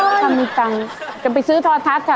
ถ้ามีตังค์จะไปซื้อทอทัศน์ค่ะ